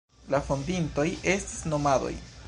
La fondintoj estis nomadoj.